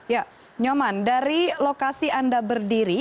ya nyoman dari lokasi anda berdiri